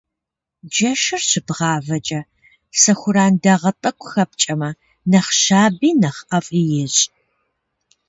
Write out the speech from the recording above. Джэшыр щыбгъавэкӀэ сэхуран дагъэ тӀэкӀу хэпкӀэмэ, нэхъ щаби, нэхъ ӀэфӀи ещӀ.